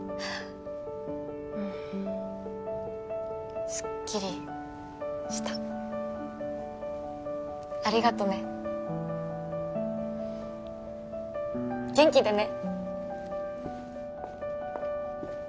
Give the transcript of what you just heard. うんスッキリしたありがとね元気でね